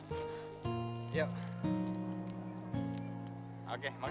oke makasih bang